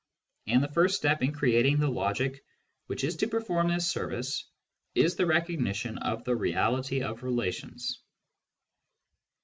And the first step in creating the logic which is to perform this service is the recognition of the reality of relations.